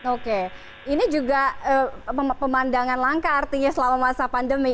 oke ini juga pemandangan langka artinya selama masa pandemi